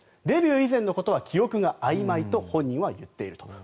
デビュー以前のことは記憶があいまいと本人は言っていると。